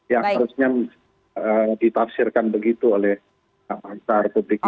yang harusnya ditafsirkan begitu oleh masyarakat republik ini